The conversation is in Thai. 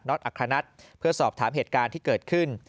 อัครนัทเพื่อสอบถามเหตุการณ์ที่เกิดขึ้น